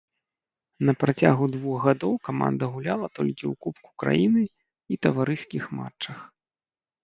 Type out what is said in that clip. На працягу двух гадоў каманда гуляла толькі ў кубку краіны і таварыскіх матчах.